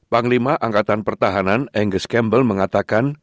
panglima angkatan pertahanan angus campbell mengatakan